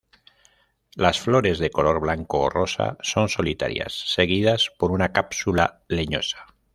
Las flores de color blanco o rosa son solitarias, seguidas por una cápsula leñosa.